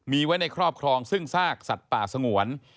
มีไว้ในครอบครองซึ่งซากสัตว์ป่าสงวน